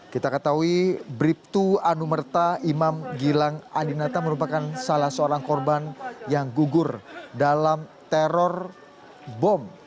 kita ketahui bribtu anumerta imam gilang adinata merupakan salah seorang korban yang gugur dalam teror bom